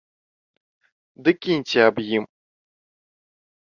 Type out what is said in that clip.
Ды кіньце аб ім.